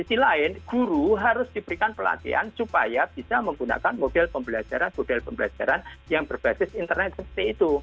di sisi lain guru harus diberikan pelatihan supaya bisa menggunakan model pembelajaran model pembelajaran yang berbasis internet seperti itu